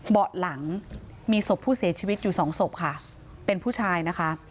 เบาะหลังมีศพผู้เสียชีวิตอยู่สองศพค่ะเป็นผู้ชายนะคะ